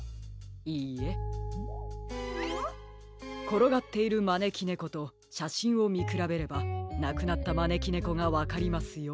ころがっているまねきねことしゃしんをみくらべればなくなったまねきねこがわかりますよ。